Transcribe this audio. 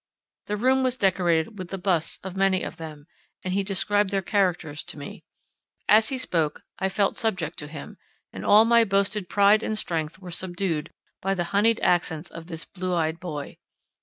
The room was decorated with the busts of many of them, and he described their characters to me. As he spoke, I felt subject to him; and all my boasted pride and strength were subdued by the honeyed accents of this blue eyed boy.